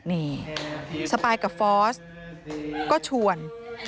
นายกับฟอสก็ชวน